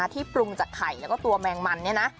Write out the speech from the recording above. ที่ปรุงจากไข่และตัวแมงมัน